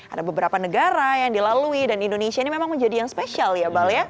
ada beberapa negara yang dilalui dan indonesia ini memang menjadi yang spesial ya bale